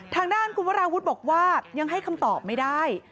ทางด้านคุณวราวุฒิบอกว่ายังให้คำตอบไม่ได้